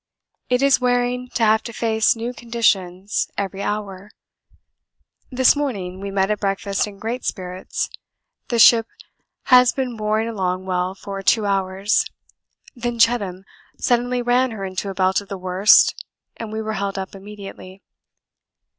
It is wearing to have to face new conditions every hour. This morning we met at breakfast in great spirits; the ship has been boring along well for two hours, then Cheetham suddenly ran her into a belt of the worst and we were held up immediately.